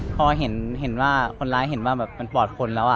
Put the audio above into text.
พอเห็นว่าคนร้ายเห็นว่าปลอดภรณ์แล้ว